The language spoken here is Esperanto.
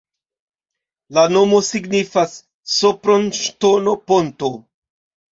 La nomo signifas: Sopron-ŝtono-ponto.